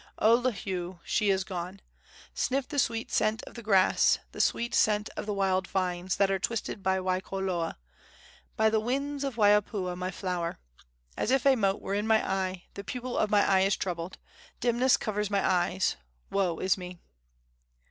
O Lihue, she is gone! Sniff the sweet scent of the grass, The sweet scent of the wild vines That are twisted by Waikoloa, By the winds of Waiopua, My flower! As if a mote were in my eye, The pupil of my eye is troubled; Dimness covers my eyes. Woe is me!"